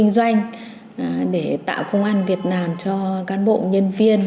để khôi phục kinh doanh để tạo công an việt nam cho cán bộ nhân viên